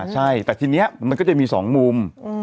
ใช่แต่ทีนี้มันก็จะมี๒มุม